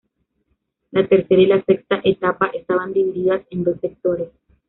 La tercera y la sexta etapa estaban divididas en dos sectores.